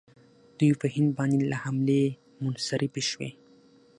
دوی په هند باندې له حملې منصرفې شوې.